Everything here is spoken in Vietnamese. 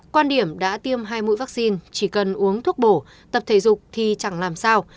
quan điểm đã tiêm hai mũi vaccine chỉ cần uống thuốc bổ tập thể dục thì chẳng làm sao